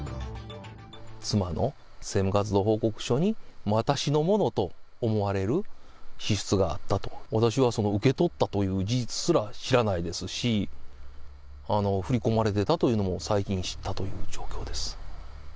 妻の政務活動報告書に私のものと思われる支出があったと、私はその受け取ったという事実すら知らないですし、振り込まれてたというのも最近知ったという状況です。